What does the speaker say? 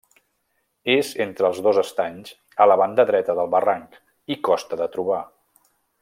És entre els dos estanys, a la banda dreta del barranc, i costa de trobar.